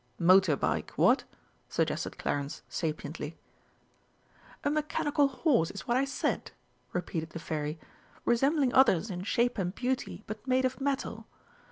"Motor bike, what," suggested Clarence sapiently. "A mechanical horse is what I said," repeated the Fairy, "resembling others in shape and beauty, but made of metal.